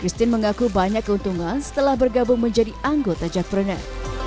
chtin mengaku banyak keuntungan setelah bergabung menjadi anggota jackpreneur